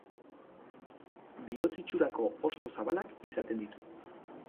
Bihotz-itxurako hosto zabalak izaten ditu.